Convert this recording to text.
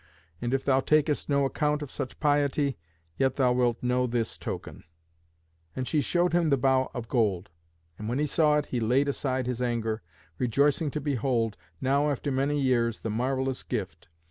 And if thou takest no account of such piety, yet thou wilt know this token." And she showed him the bough of gold. And when he saw it he laid aside his anger, rejoicing to behold, now after many years, the marvellous gift.